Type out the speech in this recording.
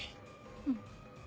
うん。